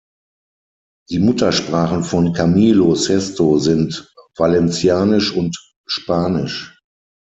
Die Muttersprachen von Camilo Sesto sind Valencianisch und Spanisch.